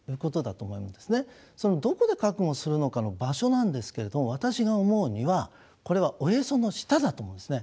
それをどこで覚悟するのかの場所なんですけれども私が思うにはこれはおへその下だと思うんですね。